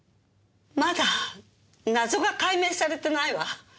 まだ謎が解明されてないわ。